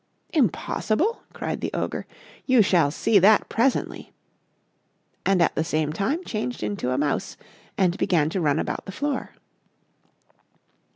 "Impossible?" cried the Ogre, "you shall see that presently," and at the same time changed into a mouse, and began to run about the floor.